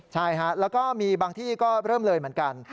ใช่ฮะแล้วก็มีบางที่ก็เริ่มเลยเหมือนกัน